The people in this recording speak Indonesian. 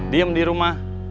diem di rumah